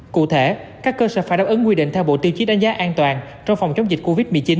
cụ thể các cơ sở phải đáp ứng quy định theo bộ tiêu chí đánh giá an toàn trong phòng chống dịch covid một mươi chín